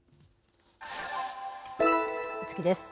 次です。